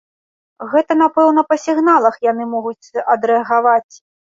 Гэта, напэўна, па сігналах яны могуць адрэагаваць.